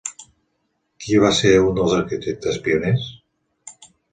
Qui va ser un dels arquitectes pioners?